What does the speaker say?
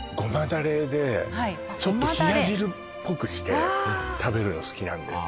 だれでちょっと冷や汁っぽくして食べるの好きなんです